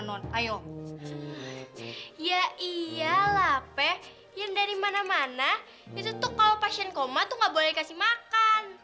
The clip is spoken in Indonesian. non ayo ya iya lape yang dari mana mana itu tuh kalau pasien koma tuh nggak boleh kasih makan